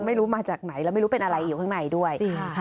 ไม่รู้มาจากไหนแล้วไม่รู้เป็นอะไรอยู่ข้างในด้วย